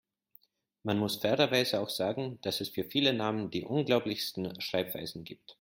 Man muss fairerweise auch sagen, dass es für viele Namen die unglaublichsten Schreibweisen gibt.